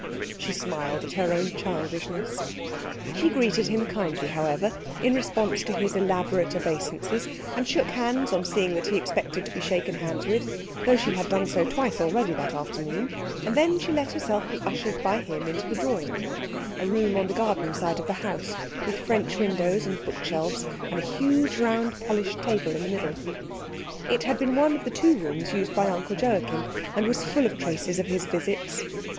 She smiled at her own childishness. She greeted him kindly, however, in response to his elaborate obeisances, and shook hands on seeing that he expected to be shaken hands with, though she had done so twice already that afternoon; and then she let herself be ushered by him into the drawing room, a room on the garden side of the house, with French windows, and bookshelves, and a huge round polished table in the middle. It had been one of the two rooms used by Uncle Joachim, and was full of traces of his visits.